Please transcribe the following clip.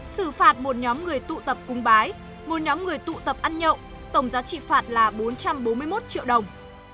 xử phạt một nhóm người tụ tập cung bái một nhóm người tụ tập ăn nhậu tổng giá trị phạt là bốn trăm bốn mươi một triệu đồng